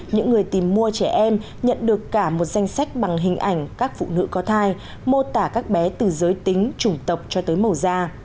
những người tìm mua trẻ em nhận được cả một danh sách bằng hình ảnh các phụ nữ có thai mô tả các bé từ giới tính trùng tộc cho tới màu da